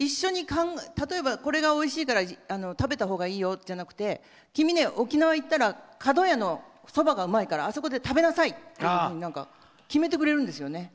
例えばこれがおいしいから食べたほうがいいよじゃなくて君ね、沖縄行ったらかどやのそばがうまいからあそこで食べなさいって決めてくれたんですよね。